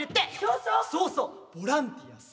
そうそうボランティア最優秀賞！